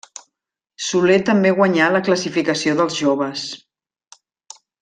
Soler també guanyà la classificació dels joves.